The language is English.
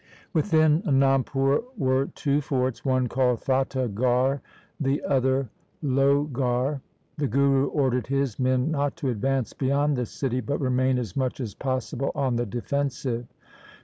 Within Anandpur were two forts, one called Fata garh, the other Lohgarh. The Guru ordered his men not to advance beyond the city, but remain as much as possible on the defensive.